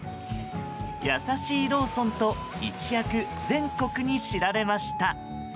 優しいローソンと一躍、全国に知られました。